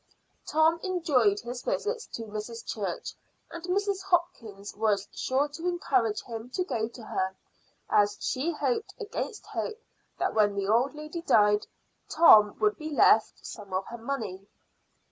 Tom enjoyed his visits to Mrs. Church, and Mrs. Hopkins was sure to encourage him to go to her, as she hoped against hope that when the old lady died Tom would be left some of her money.